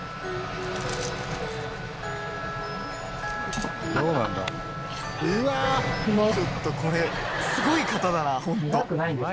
ちょっとこれすごい方だなホント。